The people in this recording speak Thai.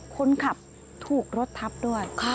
คนขับถูกรถทับด้วย